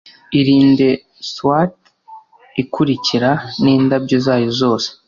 irinde swath ikurikira n'indabyo zayo zose: